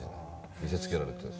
見せつけられて。